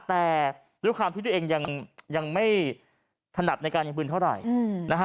แต่ด้วยความที่ตัวเองยังไม่ถนัดในการยิงปืนเท่าไหร่นะฮะ